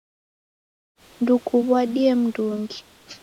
Ndukuw'adie mndungi